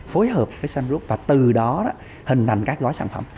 phối hợp với sunroof và từ đó hình thành các gói sản phẩm